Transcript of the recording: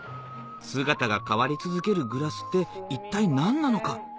姿が変わり続けるグラスって一体何なのか？